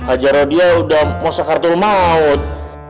aja rodia udah mau sekartul maut